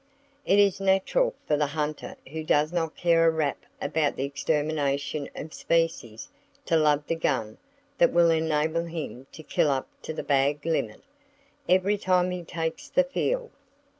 It is natural for the hunter who does not care a rap about the extermination of species to love the gun that will enable him to kill up to the bag limit, every time he takes the field.